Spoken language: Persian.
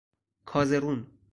کازرون